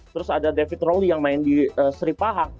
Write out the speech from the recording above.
terus ada david rowley yang main di seri pahang